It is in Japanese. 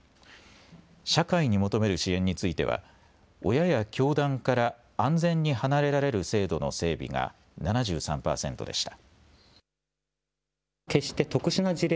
社会に求める支援については親や教団から安全に離れられる制度の整備が７３％でした。